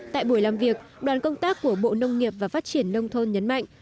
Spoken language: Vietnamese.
tại buổi làm việc đoàn công tác của bộ nông nghiệp và phát triển nông thôn nhấn mạnh